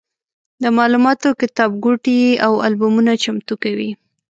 د معلوماتي کتابګوټي او البومونه چمتو کوي.